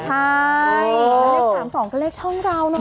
ใช่เลข๓๒ก็เลขช่องกล่าวนะ